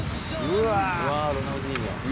うわ！